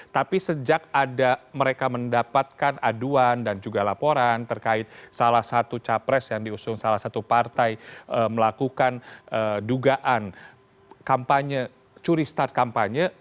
tapi sejak ada mereka mendapatkan aduan dan juga laporan terkait salah satu capres yang diusung salah satu partai melakukan dugaan kampanye curi start kampanye